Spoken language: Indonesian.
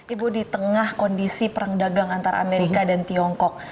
ibu di tengah kondisi perang dagang antara amerika dan tiongkok